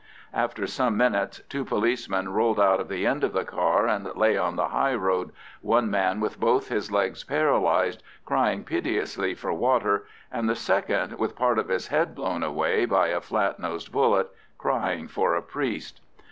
After some minutes two policemen rolled out of the end of the car and lay on the highroad, one man with both his legs paralysed, crying piteously for water, and the second with part of his head blown away by a flat nosed bullet, crying for a priest.